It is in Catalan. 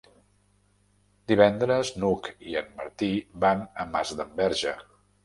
Divendres n'Hug i en Martí van a Masdenverge.